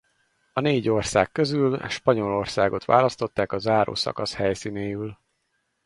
A négy ország közül Spanyolországot választották a záró szakasz helyszínéül.